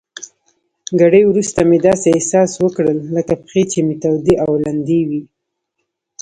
ګړی وروسته مې داسې احساس وکړل لکه پښې چي مې تودې او لندې وي.